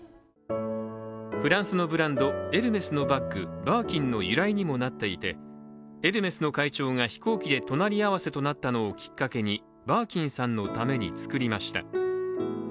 フランスのブランド、エルメスのバッグバーキンの由来にもなっていてエルメスの会長が飛行機で隣り合わせとなったのをきっかけにバーキンさんのために作りました。